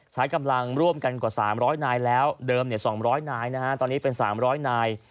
ใช้กำลังร่วมกันกว่า๓๐๐นายแล้วเดิม๒๐๐นายนะฮะตอนนี้เป็น๓๐๐นาย